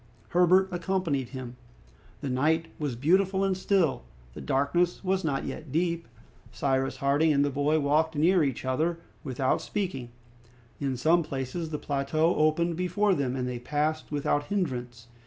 Herbert accompanied him. The night was beautiful and still, the darkness was not yet deep. Cyrus Harding and the boy walked near each other, without speaking. In some places the plateau opened before them, and they passed without hindrance.